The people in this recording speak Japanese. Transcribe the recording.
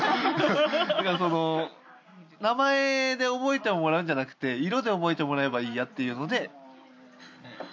だからその名前で覚えてもらうんじゃなくて色で覚えてもらえればいいやっていうので着始めたっていう。